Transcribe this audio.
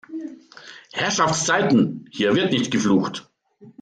Herrschaftszeiten, hier wird nicht geflucht!